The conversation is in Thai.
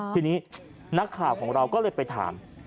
ทีนี้นักข่าวของเราก็เลยไปถาม